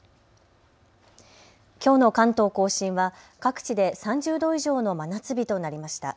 きょうの関東甲信は各地で３０度以上の真夏日となりました。